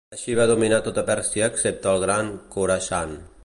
Així va dominar tota Pèrsia excepte el Gran Khorasan.